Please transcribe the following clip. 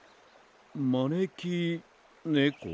まねきねこ？